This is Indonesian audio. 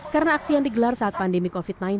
karena aksi yang digelar saat pandemi covid sembilan belas